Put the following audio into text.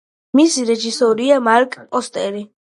მისი რეჟისორია მარკ ფორსტერი.